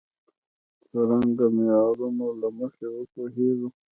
څرنګه معیارونو له مخې وپوهېږو.